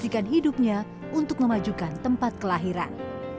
memastikan hidupnya untuk memajukan tempat kelahiran